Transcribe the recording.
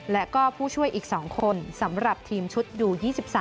และก็ผู้ช่วยอีก๒คนสำหรับทีมชุดอยู่๒๓